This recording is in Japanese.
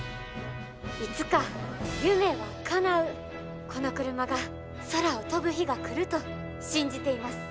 「いつか夢はかなうこのクルマが空を飛ぶ日が来ると信じています。